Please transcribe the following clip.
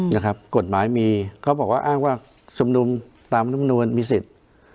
นะครับกฎหมายมีเขาบอกว่าอ้างว่าชุมนุมตามลำนวนมีสิทธิ์